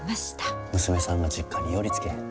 娘さんが実家に寄りつけへんて。